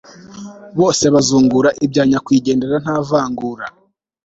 bose bazungura ibya nyakwigendera ntavangura